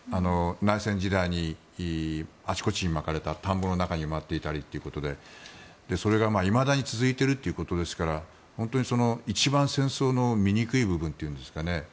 内戦時代にあちこちにまかれたり田んぼの中に埋まっていたりということでそれがいまだに続いているということですから本当に一番戦争の醜い部分というんですかね